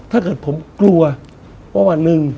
ถ้าเกิดผมกลัวว่าวันหนึ่ง